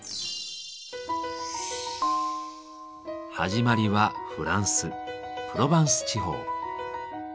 始まりはフランス・プロバンス地方。